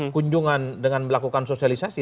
kunjungan dengan melakukan sosialisasi